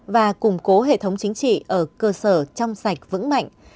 và củng cố hệ thống chính trị ở cơ sở trong sạch vững mạnh